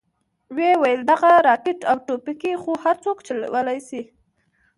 ويې ويل دغه راکټ او ټوپکې خو هرسوک چلوې شي.